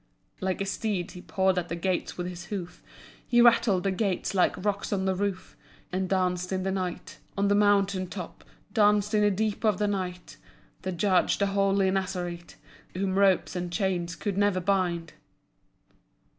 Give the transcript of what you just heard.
Like a steed, he pawed the gates with his hoof. He rattled the gates like rocks on the roof, And danced in the night On the mountain top, Danced in the deep of the night: The Judge, the holy Nazarite, Whom ropes and chains could never bind.